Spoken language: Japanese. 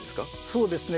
そうですね。